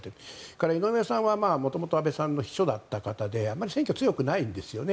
それから井上さんは元々、安倍さんの秘書だった方であまり選挙は強くないんです。